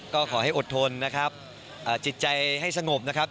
ก็ขอให้อดทนนะครับจิตใจให้สงบนะครับ